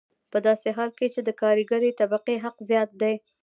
په داسې حال کې چې د کارګرې طبقې حق زیات دی